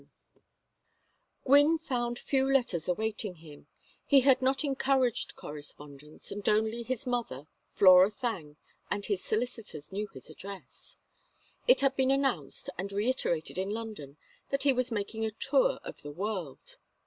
VII Gwynne found few letters awaiting him; he had not encouraged correspondence, and only his mother, Flora Thangue, and his solicitors knew his address. It had been announced and reiterated in London that he was making a tour of the world.